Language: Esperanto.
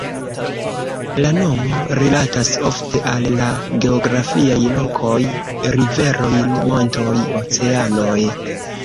La nomo rilatas ofte al la geografiaj lokoj: riveroj, montoj, oceanoj.